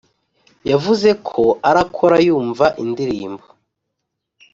yavuze ko arakora yumva indirimbo